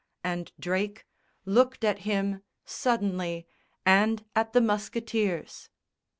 And Drake Looked at him, suddenly, and at the musketeers.